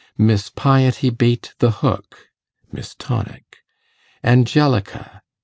Miss Piety Bait the hook, .... MISS TONIC. Angelica, .